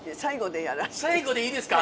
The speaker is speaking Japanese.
最後でいいですか？